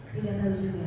tidak tahu juga